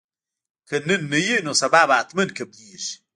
که نن نه وي نو سبا به حتما قبلیږي